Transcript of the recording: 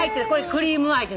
クリーム味の。